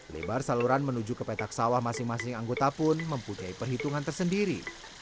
lebar saluran menuju ke petak sawah masing masing anggota pun mempunyai perhitungan tersendiri